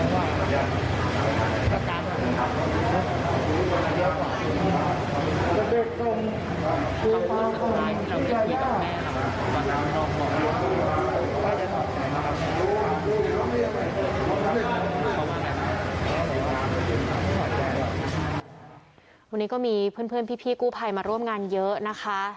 วันนี้ก็มีเพื่อนพี่กู้ภัยมาร่วมงานเยอะนะคะ